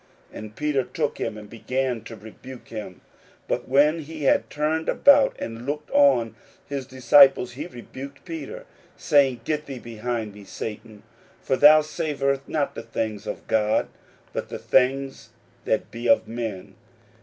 And Peter took him, and began to rebuke him. 41:008:033 But when he had turned about and looked on his disciples, he rebuked Peter, saying, Get thee behind me, Satan: for thou savourest not the things that be of God, but the things that be of men.